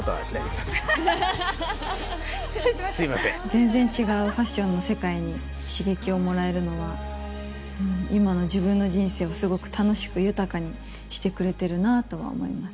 全然違うファッションの世界に刺激をもらえるのは、今の自分の人生をすごく楽しく豊かにしてくれてるなとは思います。